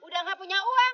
sudah tidak punya uang